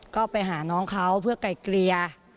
ก็ไปหาน้องเขาเพื่อไกลเกลี่ย